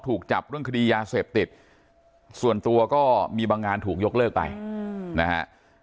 ถูกจับเรื่องคดียาเสพติดส่วนตัวก็มีบางงานถูกยกเลิกไปนะฮะ